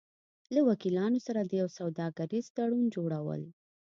-له وکیلانو سره د یو سوداګریز تړون جوړو ل